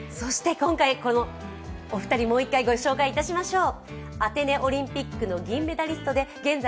お二人、もう一回ご紹介いたしましょう。